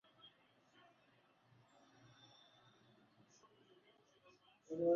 kiongozi wa kikundi cha wanamgambo waasi waliopinga serikali ya Mobutu Sese SekoPamoja na